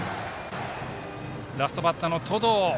ラストバッターの登藤。